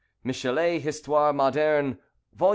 MICHELET, HISTOIRE MODERNE vol.